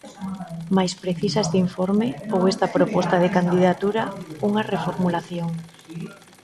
Mais precisa este informe ou esta proposta de candidatura unha reformulación.